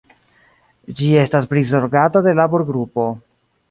Ĝi estas prizorgata de laborgrupo.